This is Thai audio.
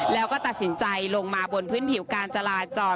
แล้วก็ตัดสินใจลงมาบนพื้นผิวการจราจร